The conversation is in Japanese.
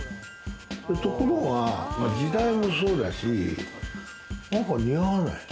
ところが、時代もそうだし、なんか似合わない。